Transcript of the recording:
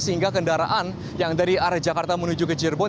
sehingga kendaraan yang dari arah jakarta menuju ke cirebon